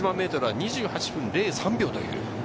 １００００ｍ２８分０３秒という